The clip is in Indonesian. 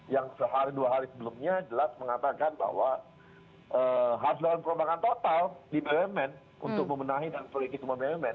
yang sehari dua hari sebelumnya jelas mengatakan bahwa harus dalam perubahan total di bumn untuk memenangi dan periksa bumn